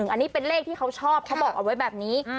อันนี้เป็นเลขที่เขาชอบเขาบอกเอาไว้แบบนี้